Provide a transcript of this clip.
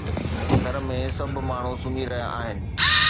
گهر ۾ سڀ ماڻهو سمهي رهيا آهن